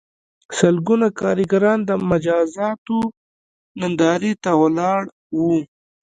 سلګونه کارګران د مجازاتو نندارې ته ولاړ وو